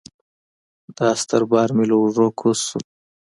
دا ستر بار مې له اوږو کوز شو.